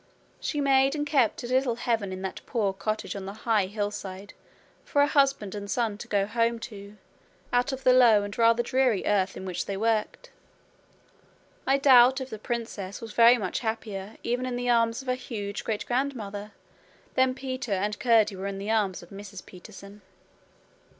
She made and kept a little heaven in that poor cottage on the high hillside for her husband and son to go home to out of the low and rather dreary earth in which they worked. I doubt if the princess was very much happier even in the arms of her huge great grandmother than Peter and Curdie were in the arms of Mrs. Peterson.